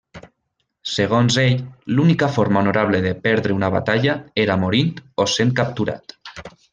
Segons ells, l'única forma honorable de perdre una batalla era morint o sent capturat.